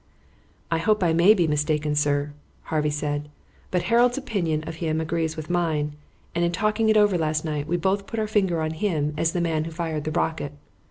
"I hope I may be mistaken, sir," Harvey said, "but Harold's opinion of him agrees with mine; and, in talking it over last night, we both put our finger on him as the man who fired the rocket.